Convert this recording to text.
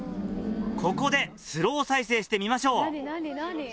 ここでスロー再生してみましょう。